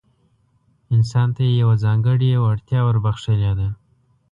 انسان ته يې يوه ځانګړې وړتيا وربښلې ده.